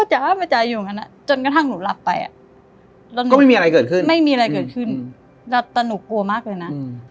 แม่จ๋าาข้าอะอย่างงั้นน่ะจนกระทั่งหนูลับไปเราคุณมันไม่มีอะไรเกิดขึ้น